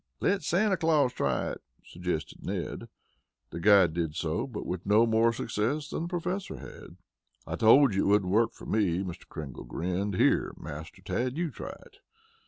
"Let Santa Claus try it," suggested Ned. The guide did so, but with no more success than the Professor had had. "I told you it wouldn't work for me," Mr. Kringle grinned. "Here, Master Tad, you try it."